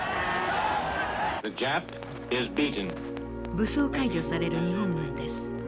武装解除される日本軍です。